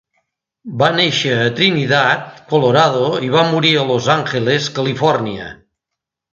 Va néixer a Trinidad, Colorado i va morir a Los Angeles, Califòrnia.